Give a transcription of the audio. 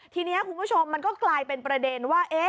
ทีนี้คุณผู้ชมมันก็กลายเป็นประเด็นว่า